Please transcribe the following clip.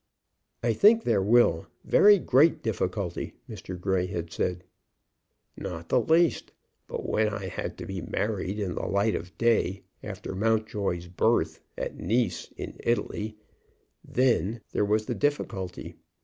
"I think there will; very great difficulty," Mr. Grey had said. "Not the least. But when I had to be married in the light of day, after Mountjoy's birth, at Nice, in Italy, then there was the difficulty.